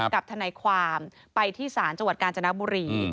กับทนายความไปที่ศาลจังหวัดกาญจนบุรี